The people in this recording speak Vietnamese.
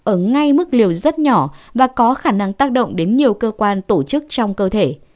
ở ngay mức liều rất nhỏ và có khả năng tác động đến nhiều cơ quan tổ chức trong cơ thể